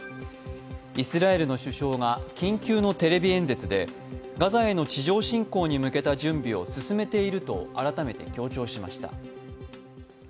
イスラエルの首相が緊急のテレビ演説で、ガザへの地上侵攻への準備を進めていると改めて強調しました。